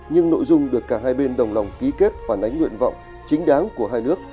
nhưng nội dung được cả hai bên đồng lòng ký kết phản ánh nguyện vọng chính đáng của hai nước